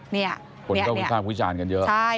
นี่อ่ะ